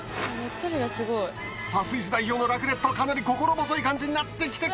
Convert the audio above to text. さあスイス代表のラクレットかなり心細い感じになってきて